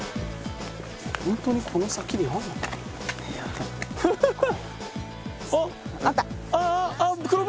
ホントにこの先にあるの？